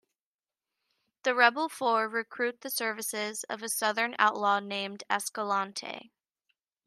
The Rebel Four recruit the services of a southern outlaw named Ascalante.